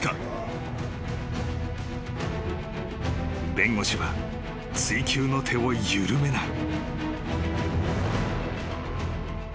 ［弁護士は追及の手を緩めない］